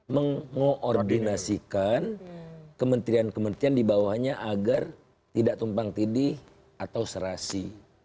mengoordinasikan kementerian kementerian di bawahnya agar tidak tumpang tidi atau serasi